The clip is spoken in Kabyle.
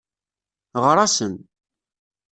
Ɣer-asen.